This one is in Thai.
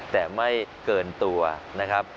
แต่ไม่เกินตัวนะครับ